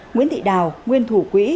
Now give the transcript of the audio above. nguyễn thị đào nguyên thủ quỹ